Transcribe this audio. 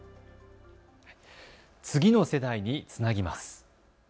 次の世代につなぎます。